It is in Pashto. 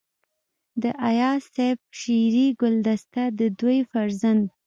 د اياز صيب شعري ګلدسته دَ دوي فرزند